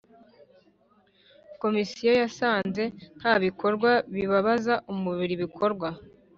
Komisiyo yasanze nta bikorwa bibabaza umubiri bikorwa